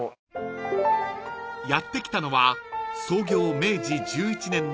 ［やって来たのは創業明治１１年の］